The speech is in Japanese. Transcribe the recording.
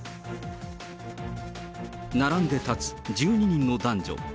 並んで立つ１２人の男女。